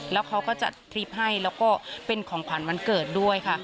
แล้วเขาก็จัดทริปให้แล้วก็เป็นของขวัญวันเกิดด้วยค่ะ